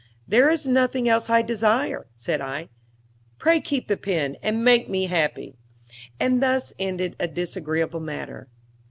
"There is nothing else I desire," said I. "Pray keep the pen and make me happy." And thus ended a disagreeable matter.